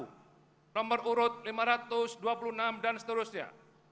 dan perurut lima ratus dua puluh enam dan seterusnya